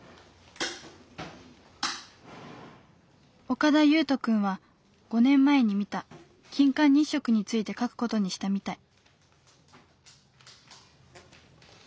岡田優人くんは５年前に見た金環日食について書く事にしたみたい。